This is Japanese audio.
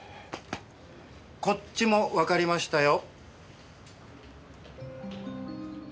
こっちもわかりましたよ。